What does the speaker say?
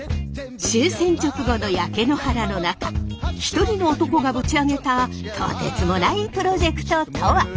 終戦直後の焼け野原の中一人の男がぶち上げたとてつもないプロジェクトとは？